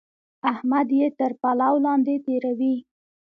احمد يې تر پلو لاندې تېروي.